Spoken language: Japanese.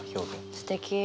すてき。